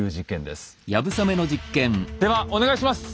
ではお願いします。